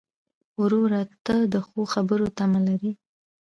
ورور ته د ښو خبرو تمه لرې.